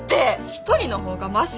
一人の方がまし！